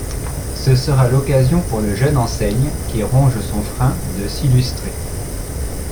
Ce sera l’occasion pour le jeune enseigne qui ronge son frein de s’illustrer.